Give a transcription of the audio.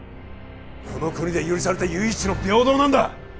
この国で許された唯一の平等なんだ